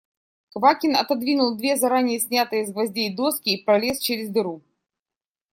Квакин отодвинул две заранее снятые с гвоздей доски и пролез через дыру.